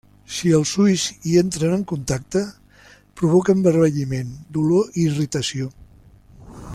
Si els ulls hi entren en contacte, provoca envermelliment, dolor i irritació.